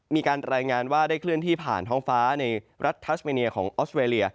มีการรายงานว่าได้เคลื่อนที่ผ่านท้องฟ้าในรัฐทัสเมเนียของออสเวรีย